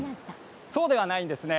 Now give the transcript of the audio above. そうではないんですね